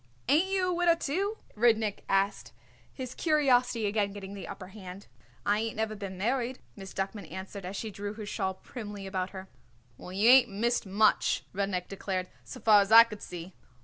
"Ain't you a widder, too?" Rudnik asked, his curiosity again getting the upper hand. "I ain't never been married," Miss Duckman answered as she drew her shawl primly about her. "Well, you ain't missed much," Rudnik declared, "so far as I could see."